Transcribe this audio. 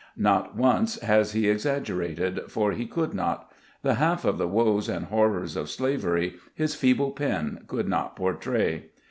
Not once has he exaggerated, for he could not ; the half of the woes and horrors of slavery, his feeble pen could not por tray.